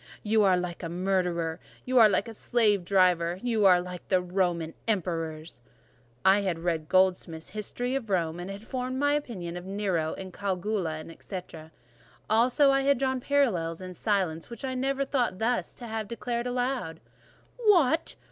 "You are like a murderer—you are like a slave driver—you are like the Roman emperors!" I had read Goldsmith's History of Rome, and had formed my opinion of Nero, Caligula, &c. Also I had drawn parallels in silence, which I never thought thus to have declared aloud. "What!